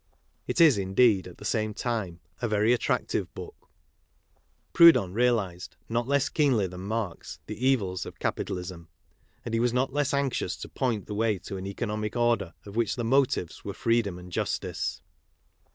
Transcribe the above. It is, indeed, at the same time, a very attractive book. Proudhon realized, not less keenly than Marx, the evils of capitalism, and he was not less anxious to point the way to an economic order of which the motives were freedom and justice.